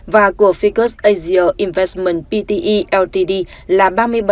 và của ficus asia investment pte ltd là ba mươi bảy chín